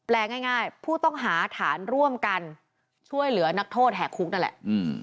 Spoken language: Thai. ง่ายผู้ต้องหาฐานร่วมกันช่วยเหลือนักโทษแห่คุกนั่นแหละ